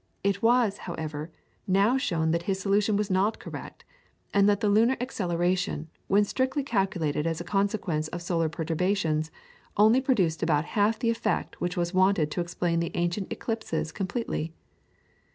It was, however, now shown that his solution was not correct, and that the lunar acceleration, when strictly calculated as a consequence of solar perturbations, only produced about half the effect which was wanted to explain the ancient eclipses completely.